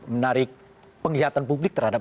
menarik penglihatan publik terhadap